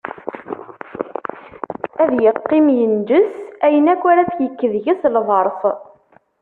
Ad iqqim inǧes ayen akk ara yekk deg-s lberṣ.